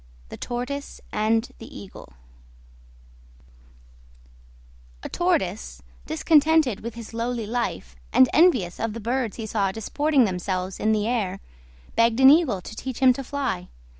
THE TORTOISE AND THE EAGLE A Tortoise, discontented with his lowly life, and envious of the birds he saw disporting themselves in the air, begged an Eagle to teach him to fly.